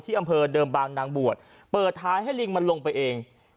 อำเภอเดิมบางนางบวชเปิดท้ายให้ลิงมันลงไปเอง